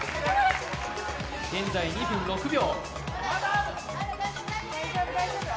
現在２分６秒。